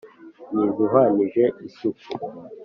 ni izihwanije isuku